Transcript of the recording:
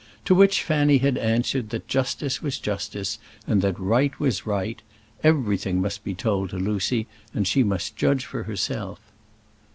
To which Fanny had answered that justice was justice, and that right was right. Everything must be told to Lucy, and she must judge for herself.